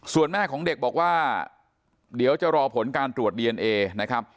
ส่วนแม่ของเด็กบอกว่าเดี๋ยวจะรอผลการตรวจดีเอนเอนะครับ